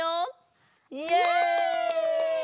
イエイ！